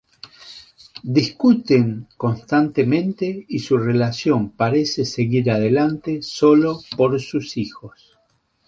Discuten constantemente y su relación parece seguir adelante sólo por sus hijos.